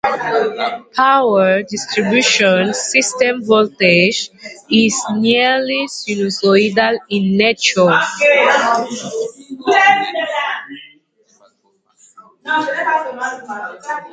Power distribution system voltage is nearly sinusoidal in nature.